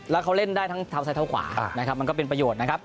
แล้วเขาเล่นได้ทั้งเท้าซ้ายเท้าขวานะครับมันก็เป็นประโยชน์นะครับ